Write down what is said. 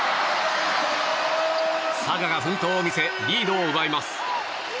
佐賀が奮闘を見せリードを奪います。